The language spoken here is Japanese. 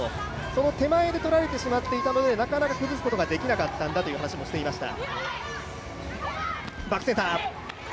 その手前で取られてしまっていたのでなかなか崩すことができなかったんだという話もしていました。